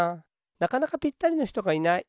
なかなかぴったりのひとがいない。